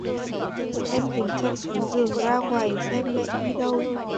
em tính chạy xuống giường ra ngoài xem mẹ đi đâu